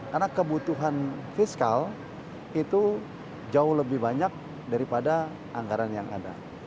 karena kebutuhan fiskal itu jauh lebih banyak daripada anggaran yang ada